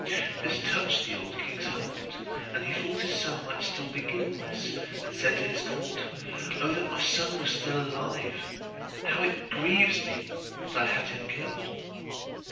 This touched the old king's heart, and he thought his son might still be guiltless, and said to his court, 'O that my son were still alive! how it grieves me that I had him killed!